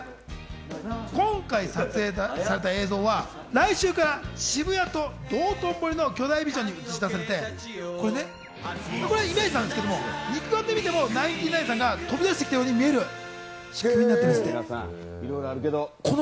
今回撮影された映像は来週から渋谷と道頓堀の巨大ビジョンに映し出され、これはイメージなんですが、肉眼で見てもナインティナインさんが飛び出してきたように見えるというＣＭなんですって。